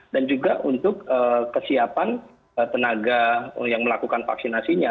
dan juga untuk kesiapan tenaga yang melakukan vaksinasinya